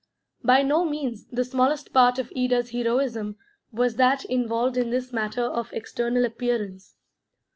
By no means the smallest part of Ida's heroism was that involved in this matter of external appearance.